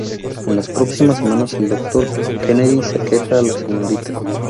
En las próximas semanas, el Dr. Kennedy se queja a la Srta.